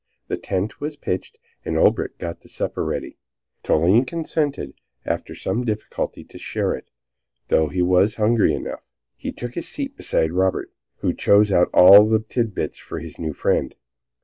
The tent was pitched, and Olbinett got the supper ready. Toline consented, after some difficulty, to share it, though he was hungry enough. He took his seat beside Robert, who chose out all the titbits for his new friend.